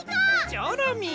チョロミー！